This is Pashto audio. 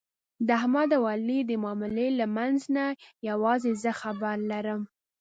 د احمد او علي د معاملې له منځ نه یووازې زه خبر لرم.